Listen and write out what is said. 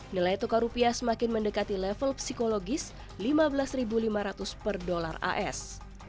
nilai tukar rupiah semakin mendekati level psikologis rp lima belas lima ratus per dolar as